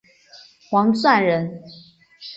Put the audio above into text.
王篆人。